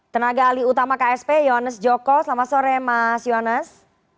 tenaga ali utama ksp yonus joko selamat sore mas yonus